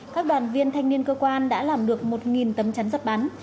các đoàn viên thanh niên cơ quan đã làm được một tấm chắn giọt bắn